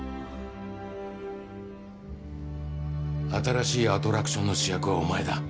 新しいアトラクションの主役はお前だ。